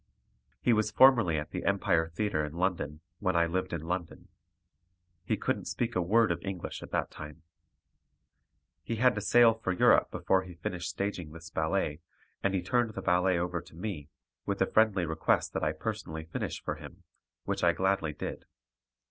He was formerly at the Empire Theatre in London, when I lived in London. He couldn't speak a word of English at that time. He had to sail for Europe before he finished staging this ballet, and he turned the ballet over to me, with a friendly request that I personally finish it for him, which I gladly did.